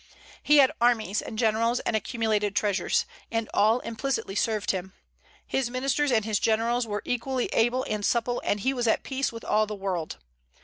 He had armies and generals and accumulated treasures; and all implicitly served him. His ministers and his generals were equally able and supple, and he was at peace with all the world.